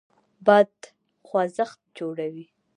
باد خوځښت جوړوي.